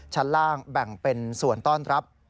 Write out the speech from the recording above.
ชั้นล่างแบ่งเป็นส่วนต้อนรับ